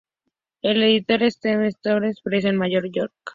El editor es Seven Stories Press en Nueva York.